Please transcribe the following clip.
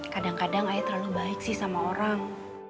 kadang kadang ayah terlalu baik sih sama orang